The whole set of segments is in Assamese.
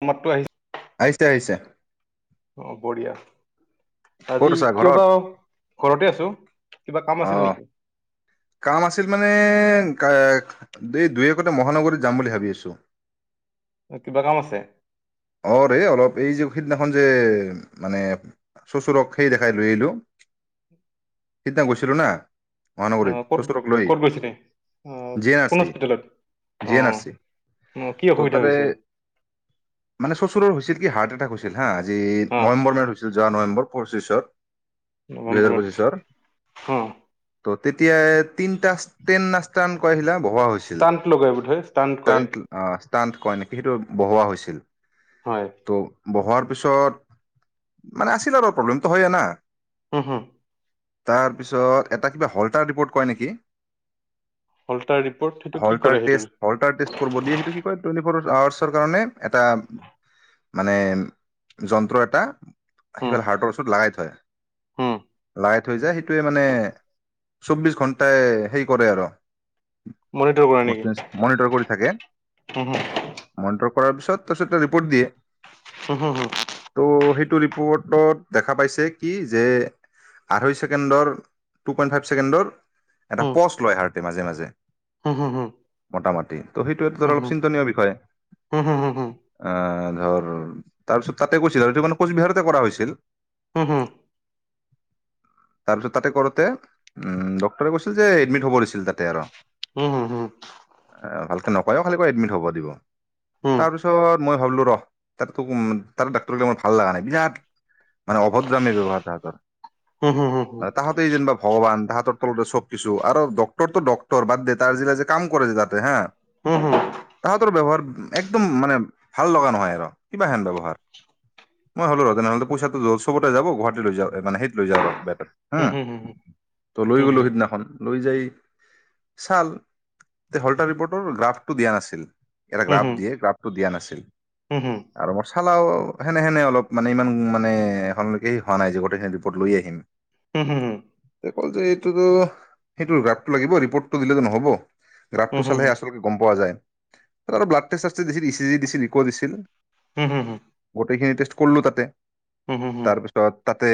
অসমত টো আহিছ আহিছে-আহিছে। অঁ বঢ়িয়া। আজি কত আছা কিয় বা ঘৰত? ঘৰতে আছো কিবা কাম আছিল অহ, নেকি কাম আছিল মানে কা দে দুই একতে মহানগৰীত যাম বুলি ভাবি আছোঁ। কিবা কাম আছে। অৰে অলপ এই যে সিদিনাখন যে মানে শশুৰক সেই দেখাই লৈ আহিলো সিদিনা গৈছিলো না। অ মহানগৰীত চচুৰক লৈ ক'ত-ক'ত গৈছিলে অহ জি এন আৰ কোন চি হস্পিতেলত জি এন আৰ অহ চি অ কি ত' অসুবিধা তাতে হৈছে? মানে চচুৰৰ হৈছিল কি হাৰ্ট এটেক হৈছিল হা আজি অ নৱেম্বৰ মাহত হৈছে। ছিল যোৱা নৱেম্বৰ পঁচিছত। দুহেজাৰ নৱেম্বৰত পঁচিছৰ অ। ত' তেতিয়া তিনটা টেন্তান কৰাচিলা। [unintelligible] ষ্টাণ্ট লগাই বোধ হয় ষ্টাণ্ট কয়। টান্ত কয় নি? সেইটো বহোৱা হৈছিল। হয় ত বহৰ তাৰপিছত মানে আছিল আৰু প্ৰব্লেমটো হয়য়ে না । হুম-হুম। তাৰ পিছত এটা কিবা হল্টাৰ ৰিপ'ৰ্ট কয় নেকি? অল্টাৰ ৰিপৰ্ট সেইটো কি কৰে হল্টাৰ সেইটোৰ টেষ্ট হল্টাৰ টেষ্ট কৰিব দিয়ে। সেইটো কি কয়, টুৱেণ্টি ফৰ আৱাৰছৰ কাৰণে এটা মানে যন্ত্ৰ এটা হুম বাহিৰৰ হাৰ্টৰ ওচৰত লাগাই থয়। হুম লাইট হয় যে সেইটোৱে মানে চৌবিশ ঘণ্টাই সেই কৰে আৰু। মনিটৰ কৰে বস্তু নেকি? মনিটৰ কৰি থাকে হুম-হুম। মনিটৰ কৰাৰ পিছত তাৰ পিছত এটা ৰিপৰ্ট দিয়ে। উম হুম হু। অ'ত ত'ত দেখা পাইছে কি যে আঢ়ৈ ছেকেণ্ডৰ, টু পইণ্ট ফাইভ ছেকেণ্ডৰ এটা হুম পচ লয় হাৰ্টে মাজে মাজে। হুম মোটামাটি, ত' সেইটোৱেটো ধৰ হুম অলপ হুম চিন্তনীয় বিষয়। হুম হুম আহ ধৰ তাৰপিছত তাতে কৈছিল আৰু সেইটো কাৰণে কোচবিহাৰতে কৰা হৈছিল। হুম-হুম তাৰপিছত তাতে কৰোতে। উম ডক্টৰে কৈছিল যে এডমিট হ'ব দিছিল তাতে আৰু। হুম হুম হুম হুম হুম হুম হুম ভালকে নকয়ও, খালি কৈ এডমিট হ'ব। খবৰ দিব। তাৰ পিছত মই ভাবলো ৰ তাতকে তাৰ ডাক্তৰগিলা মোৰ ভাল লাগা নাই, বিৰাট মানে অভদ্ৰামী ব্যৱহাৰ তাহাঁতৰ। হুম তাহাঁতেই যেনিবা ভগৱান তাহাঁতৰ চব কিছু, আৰু ডক্টৰটো ডক্টৰ বাদ দে, তাৰ জিলা যে কাম কৰেযে তাতে হা হুম-হুম তাহতৰ ব্যৱহাৰ একদম মানে ভাল লগা নহয় আৰু। কিবা হেন ব্যৱহাৰ। মই হ'লোঁ ৰ তেনেহ'লে পইচাটো চবতে যাব, গুৱাহাটী লৈ যাওঁ মানে সেইত লৈ যাওঁ ৰ বেটাৰ হুম হম, হুম হুম ত' লৈ গলো সিদিনাখন, লৈ যাই ছাল তে হল্টাৰ ৰিপৰ্টৰ গ্ৰাফটো দিয়া নাছিল। হুম-হুম। ব্লাডটো দিয়া নাছিল। আৰু মছালাও সেনে সেনে অলপ মানে ইমান মানে এখনলৈকে হোৱা নাই যে গৈ ৰিপৰ্ট লৈ হে আহিম। উম হুম হুম। ক'লে যে এইটোতো সেইটোৰ গ্ৰাফটো লাগিব ৰিপৰ্টটো দিলে তো নহ'ব। ৰাগটো চালেহে আচলকে গম পোৱা যায়। আৰু ব্লাড [unintelligible] দিছিল, ইচিজি দিছিল, ইক' দিছিল হম হুম হু। গোটেইখিনি টেষ্ট কৰলো তাতে, তাৰপিছত তাতে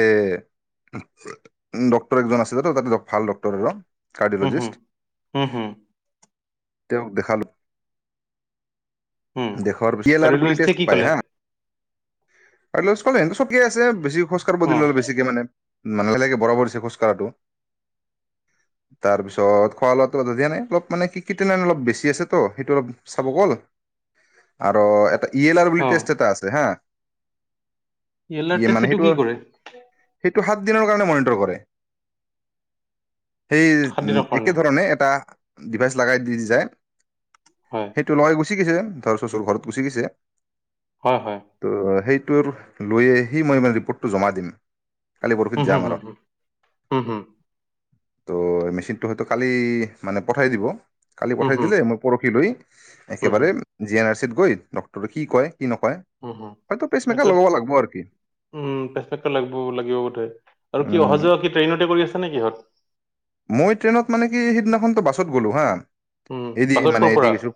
ডক্টৰ একজন আছিলে ত', তাতে ভাল ডক্টৰ অলপ উম হম উম হম। তেওঁক দেখালু। উম। দেশৰ ভি ল‌ আৰ বুলি‌‌ কাৰ্ডিঅ'লজিষ্টে টেষ্ট কি পাই ক'লে হা। [unintelligible] খোজ কাঢ়ব অ গেলো অলপ বেছিকে মানে, ম নালাগে বৰাবৰ‌ হৈছে খোজ কাঢ়াটো। তাৰপিছত খোৱা লোৱাটো দিয়া নাই অলপ মানে ক্ৰিটেনাইন অলপ বেছি আছে তো সেইটো অলপ চাব ক'ল আৰু এটা ই এল আৰ বুলি অ টেষ্ট এটা আছে হা। ইয়েলাৰ ই টেষ্ট মানে এইটো সেইটো, কি কৰে সেইটো হাত দিনৰ কাৰণে মনিটৰ কৰে। সেই সাত উ দিনৰ কাৰণে একে ধৰণে এটা ডিভাইচ লাগাই দি যায়। হয় সেইটো লৈ গুছি ঠিক আছে, [unintelligible] ঘৰত গুচি গেছে। অ হয়। ত' সেইটোৰ লৈ আহি মই মানে ৰিপৰ্টটো জমা দিম। কালি পৰহিত হম হুম যাম আৰু হুম হু হম হুম ত' মেচিনটো হয়তো কালি মানে পঠাই দিব। কালি হুম পঠাই দিলে। হুম মই পৰহি লৈ একেবাৰে হুম জি এন আৰ চিত কঐ ডক্টৰে কি কয়? কি নকয়? পেচমেকাৰ সেটোত, লগাব লাগিব আৰু কি উম [unintelligible] লাগব' লাগিব বোধহয়, আৰু কি উম অহা-যোৱা কি ট্ৰেইন কৰি আছে নে কিহত? মই ট্ৰেইনত মানে কি সিদিনাখনতো বাছত গ'লো হা, উম এদি বাছত ক'ৰ মানেদি পৰা গেছো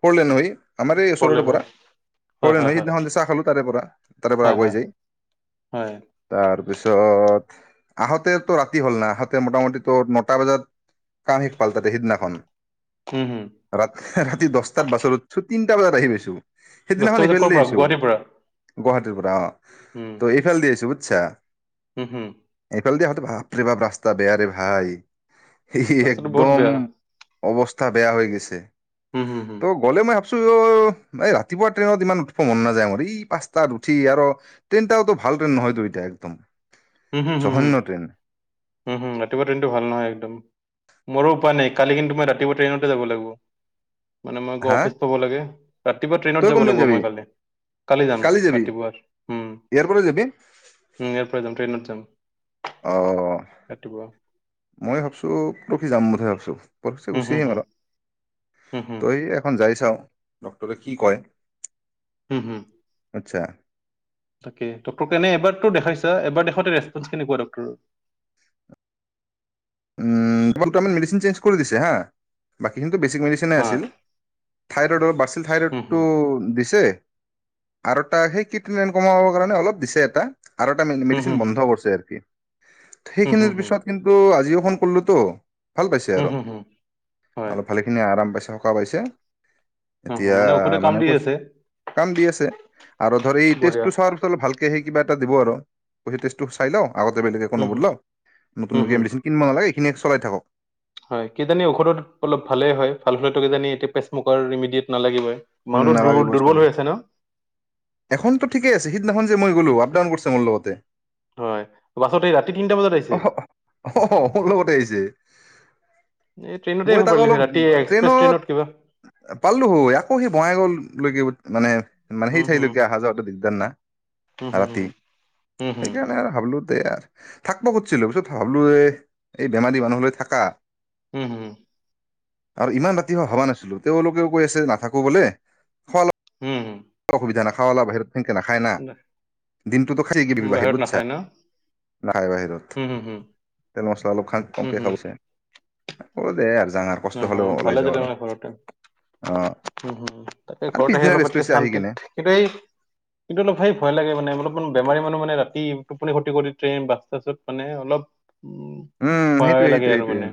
ফৰলেন হৈ, আমাৰ এই ওচৰৰ ফৰলেন পৰা হয় হয় ফৰলেন হয় হৈ হয় সিদিনাখন যে চাহ খালো তাৰে পৰা তাৰে পৰা হয় আগুৱাই হয় যায়। হয় তাৰপিছত আহঁতে তো ৰাতি হ'ল না আহঁতে মোটামুটি ত' নটা বজাত কাম শিখাল তাতে সিদনাখন হম হুম ৰাতি দছটাত বাছত উৎছু তিনিটা বাজাত আহি পাইছো। দহটা সেইদিনাখন বজাত এইফালে ক'ৰ দি পৰা আহ্ইছো গুৱাহাটীৰ পৰা গুৱাহাটীৰ পৰা অ। তো এইফালে দি আহ্ইছো। আচ্ছা। হম হম। সেইফালেদি আহোতে বাপৰে বাপ ৰাস্তা বেয়াৰে হায়। এই ৰাস্তাটো বহুত একদম বেয়া। অৱস্থা গা বেয়া হৈ গৈছে। হুম, হুম, হুম, ত' গ'লে মই আপোনাক অ' এই ৰাতিপুৱাৰ ট্ৰেইনত ইমান উঠিব মন নাযায় মোৰ! এই পাঁচটাত উঠি আৰু ট্ৰেইনটাও ভাল ট্ৰেইন নহয়তো এতিয়া একদম! জঘন্য ট্ৰেইন উম-হুম-হুম-হুম-হুম-হুম ৰাতিপুৱা দিনতো ভাল নহয় একদম। মোৰো উপায় নাই, কালি কিন্তু মই ৰাতিপুৱা ট্ৰেইনতে যাব লাগিব! মানে মই গৈ হা অফিচ পাব লাগে। ৰাতিপুৱা তই ট্ৰেইনত যাব কোনদিন লাগিব যাবি মই কালি, কালি যাম ৰাতিপুৱাৰ। উম, ইয়াৰ পৰা যাবি ইয়াৰ পৰা যাম। যাম অ, ৰাতিপুৱা। মই ভাবছো, পৰহি যাম বোধহয় ভাবছো। পৰসি হুম, গুচি হুম, আহিম হুম, আৰু! হুম, হুম, তই এখন যাই চাও ডক্টৰে কি কয়? হুম-হুম। আচ্ছা। তাকে, ডক্টৰক এবাৰটো দেখাইছা এবাৰ দেখুওৱাতে ৰেচপঞ্চ কেনেকোৱা ডক্টৰৰ? উম তোমাক দুটামান মেডিচিন চেঞ্জ কৰি দিছে হা! বাকীখিনি বেছিক মেডিচিনে হা, আছিল। থাইৰইডৰ বাছ হুম, থাইৰইডটো হুম, দিছে আৰু এটা সেই কেটিনাইন কমাবৰ কাৰণে অলপ দিছে এটা। আৰু এটা হুম, মেডিচিন হুম, হুম, বন্ধ কৰিছে আৰফিএ। হুম, হুম, সেইখিনিৰ হুম, পিছত কিন্তু আজিও ফোন কৰলোতো। ভাল পাইছে হুম, আৰু, হুম, হুম, হয়। অলপ ভালেখিনি আৰাম পাইছে। থকা পাইছে। অ', অ, এতিয়া ঔষধে কাম মানে দি কৈছে, আছে, কাম দি আছে আৰু ধৰ এই টেষ্টটো বঢ়িয়া। চোৱাৰ পিছত অলপ ভাল তে সেই কিবা এটা দিব আৰু! কৈছে টেষ্টটো চাই লওঁ! আগতে বেলেগে একো হুম, হুম, নবদলাও। হুম, নতুনকে দিয়া হুম। মেডিচিন নালাগে, এইখিনি চলাই থাকক। হয়। কিজানি ঔষধত অলপ ভালে হয়! ভাল হ'লেতো কিজানি এইটো প্ৰেচমুকাৰ ইমিডিয়েট নালাগিবই। উম মানুহটো দুৰ্বল নালাগিবই দুৰ্বল চাগে। হৈ আছে ন এখনটো ঠিকেই আছে সিদিনাখন মই গ'লো আপ-ডাউন কৰিছে মোৰ লগতে। হয় বাছত এই ৰাতি তিনিটা বজাত আহিছে অহ-অ'হ মোৰ লগতে আহিছে! এই ট্ৰেইনতে মই আহিব তাক পাৰিলি অলপ, হয় ৰাতি এক্সপ্ৰেছ ট্ৰেইনত কিবা পাললো হয় আক অ' সি বঙাইগাওঁলৈকে মানে-মানে সেই হুম হুম ঠাইলৈকে অহা যোৱাটো দিগদাৰ না! হুম ৰাতি! হুম হুম হুম হুম সেইকাৰণে আৰু ভাবিলো দে আৰ। থাকব খুজছিলো, পিছত ভাবলোঁ এ এই বেমাৰী মানুহলৈ থাকা হুম আৰু ইমান ৰাতি হ ভবা নাছিলো তেওঁলোকেও কৈ আছে নাথাকো বোলে খ হম-হুম অসুবিধা নাখাওঁ অলপ। এনকে নাখায় না, দিনটোতো খাই দিবি বাহি বাহিৰত বুজছা? নাখায় ন বা বাহিৰত হুম হুম হুম তেল মছলা অলপ খ হুম কমকে খাওচ হব দে আৰু যাং আৰু কষ্ট উ হ'লেও ওলাই ভালে যাওঁ জে আৰু মানে ঘৰতে অ উম তাকে আৰু ঘৰত আহি পিছদিনা অলপ ৰেষ্ট পা লৈছে আহি শান্তিত কিনে কিন্তু এই কিন্তু ভাই ভয় লাগে অলপ অলপ বেমাৰী মানুহ মানে ৰাতি টোপনি ক্ষতি কৰি ট্ৰেইন বাছ চাছত মানে অলপ উম উম ভয় সেইটয়ে-সেইটোয়ে-সেইটোয়ে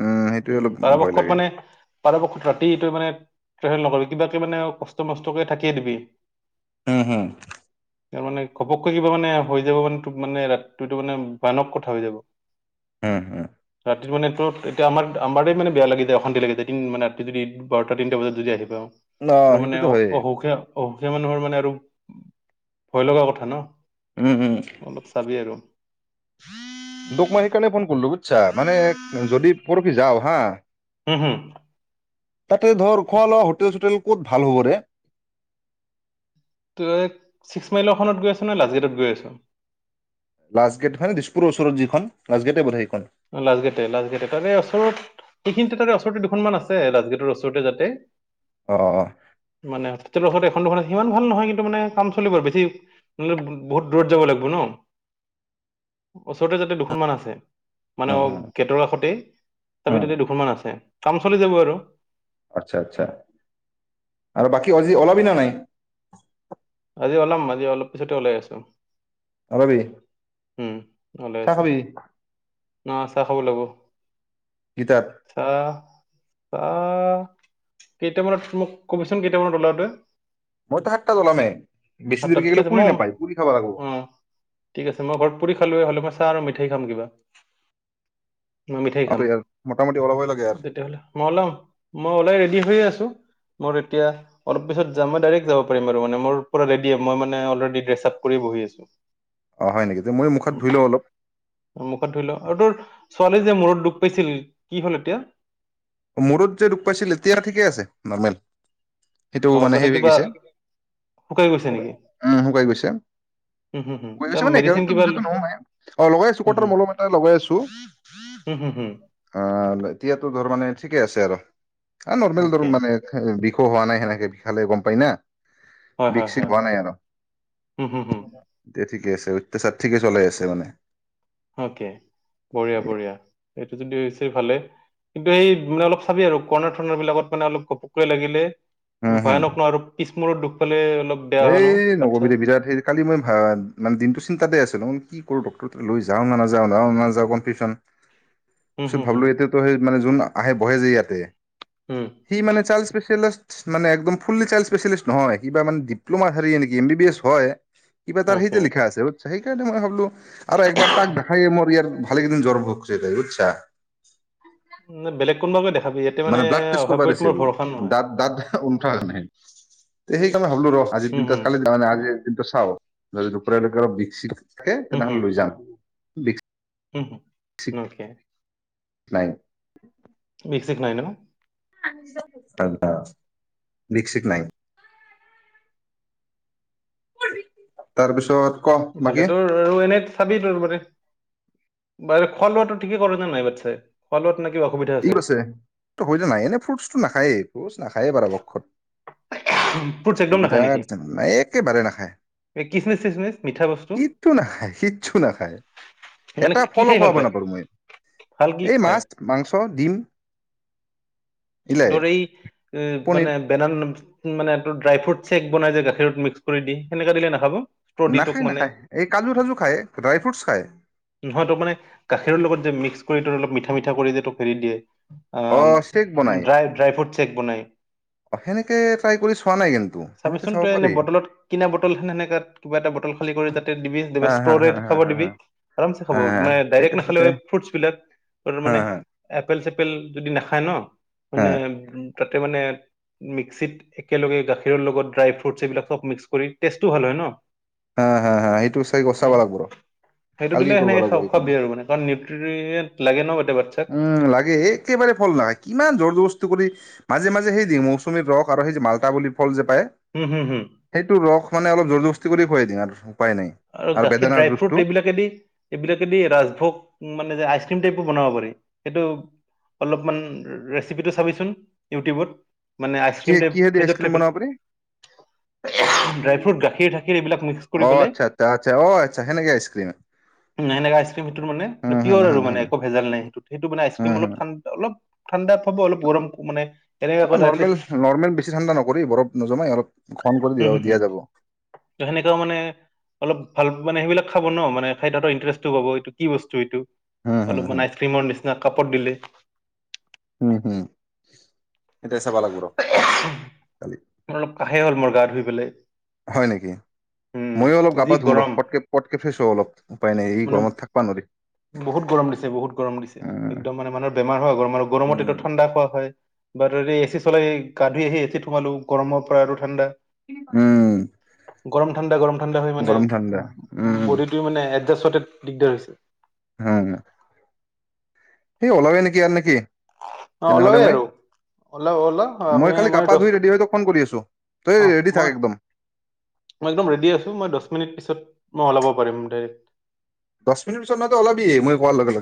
উম সেইটোয়ে অলপ পৰা ভয় পক্ষত লাগে মানে পৰা পক্ষত ৰাতিটোৱ এইটোমানে ট্ৰেভেল নকৰিবি কিবাকিব মানে কষ্ট মষ্টক থাকিয়ে দিবি। হম মানে ঘপককৈ কিবা মানে হৈ যাব মানে তোক মানে ৰাতিটোটো মানে ভয়ানক কথা হৈ যাব৷ হম-হম মানে এতিয়া আমাৰ-আমাৰ মানে বেয়া লাগি অশান্তি লাগে যদি মানে ৰাতি যদি বাৰটা তিনিটা বজাত যদি আহি পাওঁ। ন আৰু মানে সেইটোটো হয়েই। অ সেই মানুহৰ মানে আৰু ভয় লগা কথা ন? উম উম অললপ চাবি আৰু। [inaudible] তোক মই সেই কাৰণে ফোন লো বুজছা? মানে--যদি পৰহি যাও হা? হম হম তাতে ধৰ খ লোৱা হোটেল চোটেল ক'ত ভাল হ'ব? তই ছিক্স মাইলৰখনত গৈ আছ ন লাজগেটত গৈ আছো? লাষ্টগেট মানে দিছপুৰৰ ওচৰত যিখন লাষ্ট গেটে বুধ হয় সেইখন লাজগেটে-লাজগেট তাৰে এই ওচৰত সেইখিনিতে তাতে ওচৰতে দুখনমান আছে। লাষ্টগেটৰ ওচৰতে যাতে অ মানে হস্পিটেলৰ ওচৰত এখন দুখন আছে ইিমান ভাল নহয় কিন্তু মানে কাম চলিব বেছি মান বহুত দূৰত যাব লাগিব ন? ওচৰতে যদি দুখনমানান আছে। মানে উম অ উম গেটৰ কাষতেই তাৰপি উম ততে দুখনমান আছে কাম চলি যাব আৰু? আচ্ছা আচ্ছা আৰু বাকী আজি ওলাবি না নাই? মাজি ওলাম মাজি ওলপ পিছতে ওলাই আছো। ওলাবি? উম ভালে চাহ খাবি আছো৷ খাব ও লাগিব গীতাত । আহ আহ কেইটামানত মোক কবিচোন কেইটামানত ওলাওঁতে মইতো হাক্টা লামে বেছি দেৰিকে ঠিক গলে আছে পুৰি মই নোপায় পুৰি খাব লাগিব অ ঠিক আছে মই ঘৰত পুৰি খালো হল মাছা আৰু মিঠাই খাম কিবা মই মিঠাই আৰু খাম ইয়াৰ মোটামুটি ওলাবই লাগে আৰু তেতিয়াহলে মই ওলাম মই ওলাই ৰেডি হৈ আছো মোৰ এতিয়া অলপিছত যাম মই ডাইৰেক্ট যাব পাৰিম মানে মোৰ পোৰা ৰেডিয়ে মই মানে অলৰেডি ড্ৰেচাব কৰি বহি আছো। অ হয় নেকি মই মুখত ধুই লওঁ অলপ মুখত ধুই লওঁ আৰু তোৰ ছোৱালী যে মূৰত দুখ পাইছিল কি হল এতিয়া মূৰত যে দূখ পাইছিল এতিয়া ঠিকেই আছে নৰ্মেল সেইটো অ মানে সে হৈ কিবা গৈছে শুকাই গৈছে নেকি উম শুকাই গৈছে হুম হুম হুম শুকাই কিবা গৈছে মানে এক মেডিচিন কিবা যেত ল- নহোমাই অ লগাই আছো হুম কট হুম মলম এটা লগাই আছো হুম হুম হুম আহ এতিয়াতো ধৰ মানে হৈছে আৰু অ'কে আৰ্কনৰ্মেল মানে হোৱা নাই সেনেকে বিশালে গম পায় না হয় বিস হয় চিস হয় হোৱো নাই আৰু। হুম হুম হুম ঠিকে আছে অত্যাচাৰ ঠিকে চলাই আছে মানে। অকে বঢ়িয়া বঢ়িয়া সেইটো যদি হৈছে ভালে কিন্তু সেই মানে অলপ চাবি আৰু কৰ্ণাৰ থৰ্ণাৰ বিলাকত মানে অলপ ঘপকৈ লাগিলে উম হম ভয়ানক ন আৰু পিছ মোৰো একেই দুখ পালে অলপ বেয়া হয় ন এই আচ্ছা নকবিদে বিৰাট সেই কালি মই ভাল মানে দিনটো চিন্তাতে আছো ন কি কৰি ডক্টৰ লৈ যাওঁ নাযাওঁ যাওঁ নাযাওঁ কনফিজন হুম ত হুম ভাবলো হুম এতিটো সেই মান হব পাৰে যোন আহে বহে যে ইয়াতে হুম সি মানে চাৰ্লছ স্পেচেলিষ্ট মানে একডম ফুললি চল স্পেচেলিষ্ট নহয় কিবা মানে ডিপ্লমা চাৰি নে কি এমম্বি বিএছ হয় কিবা তাৰ সেইতো অ'কে লিখা আছে সেইকাৰণেই মই ভাবিলোঁ আৰু একবাৰ তাক দেখাই মই দি আ খালী একেইদিন জ্বৰ ভোগছে বুইছা ন বেলেগ কোনোবা দেখ মানে ব্লাডষ্টেচ কৰিব দেছিল নহয় ব্লাড ব্লাডয় নাই। স [unintelligible] ভাবলো ৰ আজি হুম দিনাত হুম খালি মান আজি কিন্তু চাও ন ৰূপৰ এক বিকশিত। থাকে তেনেহলে লৈ যাম বি উম হ ওকে নাই বিক সিক নাই ন ন না না ভিতসিত নাই। তাৰপিছত ক বাকী ভালে তোৰ আৰু এনেই চাবি তোৰ ত মতে বাৰু খোৱা লোৱাাটো ঠিকেই কৰা যে নাই পিছে খোৱা লোৱাত না কিবা অসুবিধা ই ক আছে হৈ যোৱা নাই এনে ফ্ৰুটছটো নাখায়েই ফ্ৰুটচ নাখায়েই বাৰ পক্ষত ফ্ৰুটছ একদম নাখায় বিৰাট নেকি ঝেমেলা একেবাৰে নাখায়। এই কিচমিচ চিচমিচ মিঠা বস্তু কিতটো নাখায় শিটটো নাখায় মানে এটা কি ফলো খাই ভাল খুৱাব পায় নাপাৰো মই ভাল কি এই খায় মাছ মাংস ছ দিম ধৰ এই উ পনীৰ মানে বেনান মানে তটো ড্ৰাই ফ্ৰুট চেক বনাই যে গাখীৰত মিক্স কৰি দি সেনেকা দিলে নাখাব দি তোক নাখায় মানে নাখায় এই কাজু চাজু খায় ড্ৰাই ফ্ৰুটছ খায় নহয় তোক মানে গাখীৰৰ লগত যে মিক্স কৰি ত অলপ মিঠা মিঠা কৰি যটো ফেৰি দিয়ে আ অ শেখ ড্ৰাই ড্ৰাই ফ্ৰুট চেক বনাই অ সেনেকে ট্ৰাই কৰি চোৱা নাই কিন্তু সেনেকে চাবিচোন চাব তই এনে পাৰি বটলত কিনা বটল খ সেনেকে কিবা এটা বটল খালি কৰি তাতে দিবি হা হা ষ্টৰে হা হা খাব হা দিবি আম খাব হা হা মানে ডাইৰে্ট সেইটো নাখালে সেইটো ফ্ৰুটছ বিলাক হা মানে হা আপেল পেল যদি নাখায় ন মানে উ ত তাতে মানে মিক্সিত একেলগে গাখীৰৰ লগত ড্ৰাই ফ্ৰুটছ এইবিলাক চব মিক্স কৰি টেষ্টটো ভাল হয় ন। হা হা হা সেইটো চাই চাব লাগিব ৰ সেইটো দিলে কালিয়ে কৰিব সেনেকে লাগিব এই কাম খাব-খুৱাবি আৰু মানে কাৰণ নিউট্ৰিয়েন লাগে ন কেতিয়াবা। উম লাগে একেবাৰে ফল নাই কিমান জৰ বচ- মাজে মাজে সেই মৌচুমি ৰস আৰু সেই মালতা বুলি ফল যে হম হম হম সেইটো ৰস মানে অলপ জৰ জবস্তি কৰি হয় দিয়া আৰু গাখীৰ ড্ৰাই ফ্ৰুট এইবিলাকে দি এইবিলাকে দি ৰাজভোগ মানে যে আইচ বনাব পাৰি সেইটো অলপমান ৰেচিপিটো চাবিচোন ইউটিউবত মানে আইচক্ৰীম কি কিহেদি ফ্ৰিজত থৈ আইচক্ৰীম পেল বনাব পাৰি ড্ৰাই ফ্ৰুট গাখীৰ চাখীৰ এইবিলাক মিক্স কৰি অ পেলাই আচ্ছা আচ্ছা আচ্ছা অ আচ্ছা সেনেকে আইচক্ৰীম ন এনেকে আইচক্ৰীম সেইটোৰ মানে হুম হুম পিয়ৰ আৰু হুম মানে হুম একো ভেজাল নাই সেইটো সেইটো মানে আইচক্ৰীম হুম অলপ হুম ঠাণ্ডা অল ঠাণ্ডা পাব অলপ গৰম মানে এনেকা অ, কৰে নৰ্মেল এটলিষ্ট নৰ্মেল বেছি ঠাণ্ডা নকৰি বৰফ নজমাই অলপ [unintelligible] কৰি হুম হুম হুম দিয়া যাব। সেনেকাও মানে অলপ ভাল মানে সেইবিলাক খাব ন মানে খাই তাতে ইণ্টাৰেষ্টটো পাব, এইটো কি বস্তু এইটো। হুম হুম অলপমান হুম আইচক্ৰীমৰ নি কাপত দিলে হুম হুম এতিয়া চাবা লাগিব ৰ কালি অলপ কাহে হ'ল মোৰ গা ধুই পেলায়। হয় নেকি! ময়ো অলপ যি গা-পা ধুং ৰ', গৰম পটকে-পটকে ফ্ৰেছ হওঁ অলপ। উপায় নাই, এই মানে গৰমত থাকবা নৰি। বহুত গৰম দিছে, বহুত গৰম দিছে। একদম মানে মানুহ বেমাৰ হয় গৰম আৰু গৰমত এইটো ঠাণ্ডা খোৱা হয় [unintelligible] এচি চলাই গা ধুই আহি এচিত সোমালো। গৰমৰ পৰা আৰু ঠাণ্ডা। উম গৰম ঠাণ্ডা গৰম ঠাণ্ডা ঠাণ্ডা হৈ মানে গৰম ঠাণ্ডা উম বডীটোই‌ মানে [unintelligible] দিগদাৰ হৈছে। হুঁ সেই ওলাও নেকি আৰ, নে কি? অ ওলাওৱে আৰু। ওলা ওলা, আমি মই খালি গা আমাৰ পা দশ, ধুই ৰেডি হৈ তোক ফোন কৰি আছো তই অহ ৰেডি থাক মই একদম মই একদম ৰেডি আছো, মই দশ মিনিট পিছত মই ওলাব পাৰিম ডাইৰেক্ট। দশ মিনিট পিছত নহয়, তই ওলাবিয়ে মই কোৱাৰ লগে লগে।